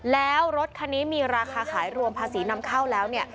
แล้วรถคันนี้มีราคาขายรวมภาษีนำเข้าแล้วเนี่ย